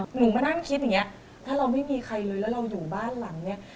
หนูมานั่งคิดอย่างเงี้ยถ้าเราไม่มีใครเลยแล้วเราอยู่บ้านหลังเนี้ย